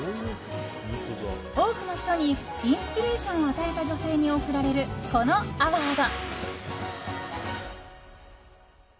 多くの人にインスピレーションを与えた女性に贈られるこのアワード。